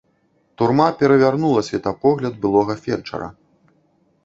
Турма перавярнула светапогляд былога фельчара.